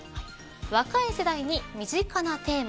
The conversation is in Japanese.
若い世代に身近なテーマ。